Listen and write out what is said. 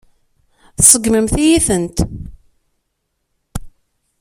Tseggmemt-iyi-tent.